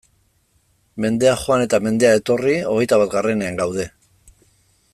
Mendea joan eta mendea etorri, hogeita batgarrenean gaude!